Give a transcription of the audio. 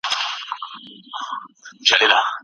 خپګان د انسان دښمن دی.